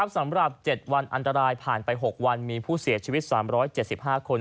สำหรับ๗วันอันตรายผ่านไป๖วันมีผู้เสียชีวิต๓๗๕คน